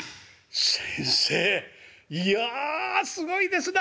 先生いやすごいですな！